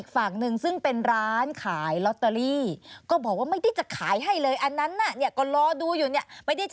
ขับลมแน่นท้องเสีขับลมแน่นท้องเสีขับลมแน่นท้องเสี